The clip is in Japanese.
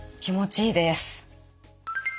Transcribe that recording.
気持ちいいです。